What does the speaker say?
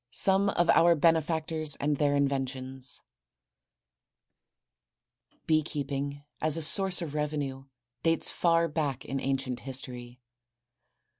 SOME OF OUR BENEFACTORS AND THEIR INVENTIONS. Bee keeping as a source of revenue dates far back in ancient history.